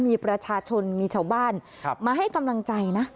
มีประชาชนมีชาวบ้านมาให้กำลังใจนะ